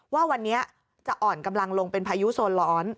ว่าวันนี้จะอ่อนกำลังลงเป็นพายุโซนร้อน